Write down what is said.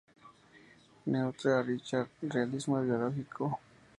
Neutra, Richard, "Realismo Biológico.